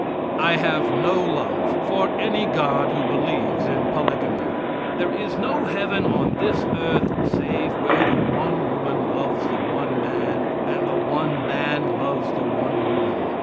I have no love for any God who believes in polygamy. There is no heaven on this earth save where the one woman loves the one man and the one man loves the one woman.